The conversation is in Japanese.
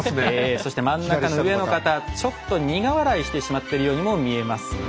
そして真ん中の上の方ちょっと苦笑いしてしまってるようにも見えますね。